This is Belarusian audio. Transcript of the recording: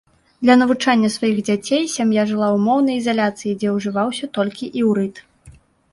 Для навучання сваіх дзяцей сям'я жыла ў моўнай ізаляцыі, дзе ўжываўся толькі іўрыт.